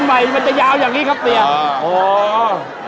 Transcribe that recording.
อาหารการกิน